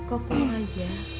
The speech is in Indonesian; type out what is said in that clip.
kau pulang aja